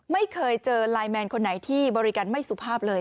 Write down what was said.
ไม่เคยเจอไลนแมนคนไหนที่บริการไม่สุภาพเลย